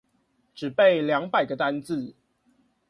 只背兩百個單字